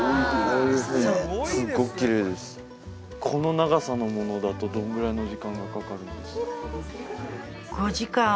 この長さのものだとどのぐらいの時間がかかるんですか？